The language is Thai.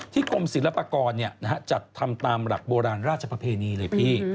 ที่กลมศิลปกรณ์จัดทำตามหลักโบราณราชภเพณีเลยพี่